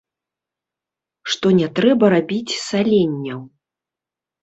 Што не трэба рабіць саленняў.